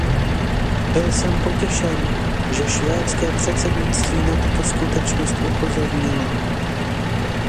Byl jsem potěšen, že švédské předsednictví na tuto skutečnost upozornilo.